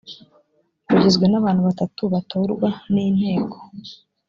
rugizwe n abantu batatu batorwa n inteko